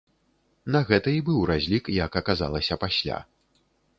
На гэта і быў разлік, як аказалася пасля.